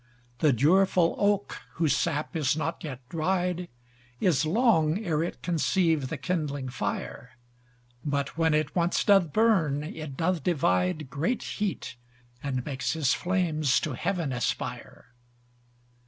The durefull Oak, whose sap is not yet dried, Is long ere it conceive the kindling fire; But when it once doth burn, it doth divide, Great heat, and makes his flames to heaven aspire.